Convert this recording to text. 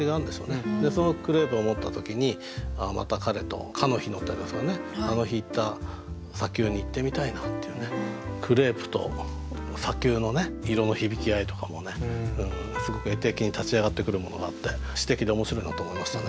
そのクレープを持った時にああまた彼と「彼日の」ってありますからねあの日行った砂丘に行ってみたいなっていうねクレープと砂丘の色の響き合いとかもすごく絵的に立ち上がってくるものがあって詩的で面白いなと思いましたね。